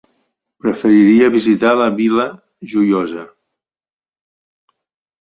Preferiria visitar la Vila Joiosa.